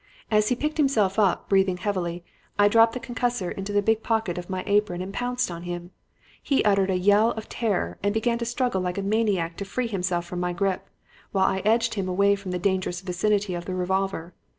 "As he picked himself up, breathing heavily, I dropped the concussor into the big pocket of my apron and pounced on him. He uttered a yell of terror and began to struggle like a maniac to free himself from my grip, while I edged him away from the dangerous vicinity of the revolver.